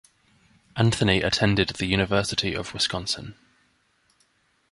Anthony attended the University of Wisconsin.